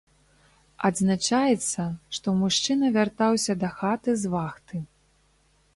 Адзначаецца, што мужчына вяртаўся дахаты з вахты.